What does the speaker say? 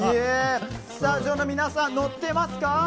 スタジオの皆さん乗ってますか？